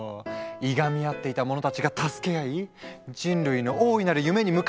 いがみ合っていた者たちが助け合い人類の大いなる夢に向かって突き進む！